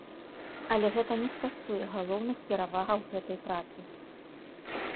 Але гэта не скасуе галоўных перавагаў гэтай працы.